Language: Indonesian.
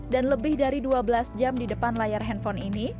dan lebih dari dua belas jam di depan layar handphone ini